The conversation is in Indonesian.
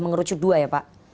mengerucut dua ya pak